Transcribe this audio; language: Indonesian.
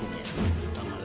tidak ada yang bisa dibosankan